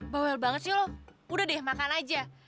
bowel banget sih lo udah deh makan aja